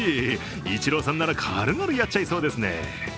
イチローさんなら軽々やっちゃいそうですね。